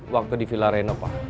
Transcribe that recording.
waktu di villa reno pak